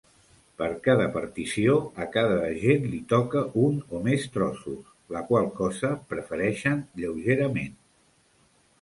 Per cada partició, a cada agent li toca un o més trossos, la qual cosa prefereixen lleugerament.